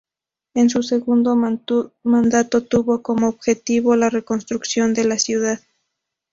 En su segundo mandato tuvo como objetivo la reconstrucción de la ciudad.